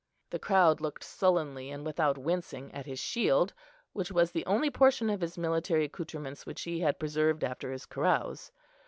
The crowd looked sullenly, and without wincing, at his shield, which was the only portion of his military accoutrements which he had preserved after his carouse.